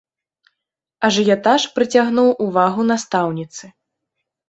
Ажыятаж прыцягнуў увагу настаўніцы.